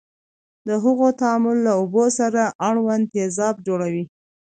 د هغو تعامل له اوبو سره اړوند تیزاب جوړوي.